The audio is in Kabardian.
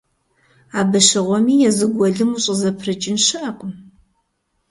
Абы щыгъуэми езы гуэлым ущӀызэпрыкӀын щыӀэкъым.